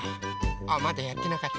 あまだやってなかった。